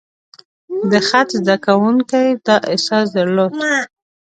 د خط زده کوونکي دا احساس درلود.